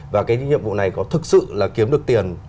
và cái nhiệm vụ này có thực sự là kiếm được tiền